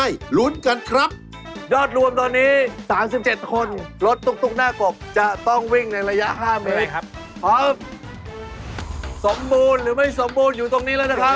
สมบูรณ์หรือไม่สมบูรณ์อยู่ตรงนี้แล้วนะครับ